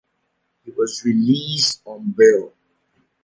He was released on bail.